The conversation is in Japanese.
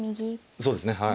そうですねはい。